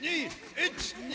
１２！